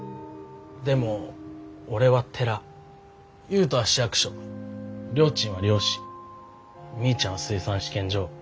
でも俺は寺悠人は市役所りょーちんは漁師みーちゃんは水産試験場。